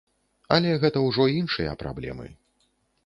Але гэта ўжо іншыя праблемы.